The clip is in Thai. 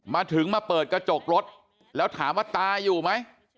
มาถึงมาเปิดกระจกรถแล้วถามว่าตาอยู่ไหม